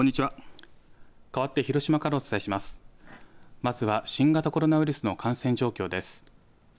まずは新型コロナウイルスの感染状況です。